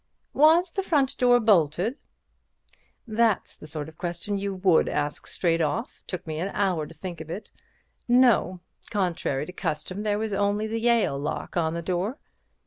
"Was the front door bolted?" "That's the sort of question you would ask, straight off; it took me an hour to think of it. No; contrary to custom, there was only the Yale lock on the door.